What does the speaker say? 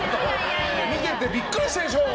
見ててびっくりしたでしょ。